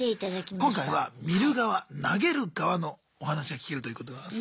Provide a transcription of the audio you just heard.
今回は見る側投げる側のお話が聞けるということでございます。